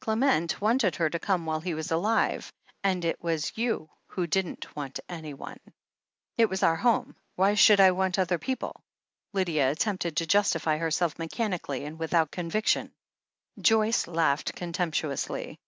Clement wanted her to come while he was alive — it was you who didn't want anyone." "It was our home — ^why should I want other people ?" Lydia attempted to justify herself mechanically and without conviction. Joyce laughed contemptuously.